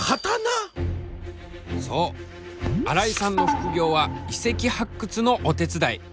そう新井さんの副業は遺跡発掘のお手伝い。